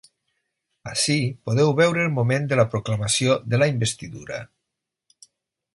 Ací podeu veure el moment de la proclamació de la investidura.